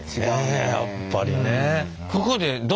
ねえやっぱりね。